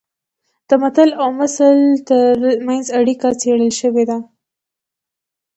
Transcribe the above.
د متل او مثل ترمنځ اړیکه څېړل شوې ده